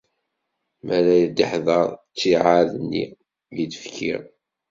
Mi ara d-iḥḍer ttiɛad-nni i d-fkiɣ.